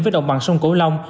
với đồng bằng sông cổ long